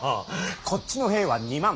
こっちの兵は２万。